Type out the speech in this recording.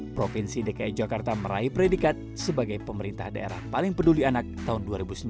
provinsi dki jakarta meraih predikat sebagai pemerintah daerah paling peduli anak tahun dua ribu sembilan belas